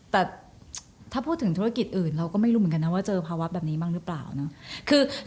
แต่ถ้าพูดถึงธุรกิจอื่นเราก็ไม่รู้เหมือนกันนะว่าเจอภาวะแบบนี้บ้างหรือเปล่าเนาะ